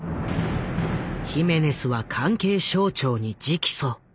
ヒメネスは関係省庁に直訴。